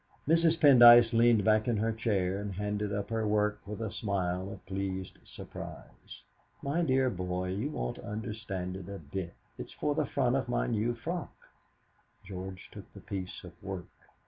Mrs. Pendyce leaned back in her chair and handed up her work with a smile of pleased surprise. "My dear boy, you won't understand it a bit. It's for the front of my new frock." George took the piece of work.